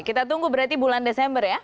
kita tunggu berarti bulan desember ya